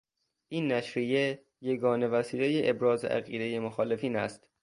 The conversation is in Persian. این نشریه یگانه وسیلهی ابراز عقیدهی مخالفین است.